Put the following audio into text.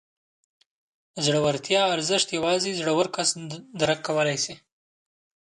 د زړورتیا ارزښت یوازې زړور کس درک کولی شي.